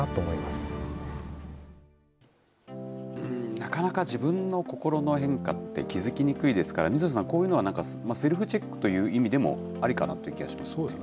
なかなか自分の心の変化って気付きにくいですから、水野さん、こういうのはセルフチェックという意味でもありかなという気はしそうですね。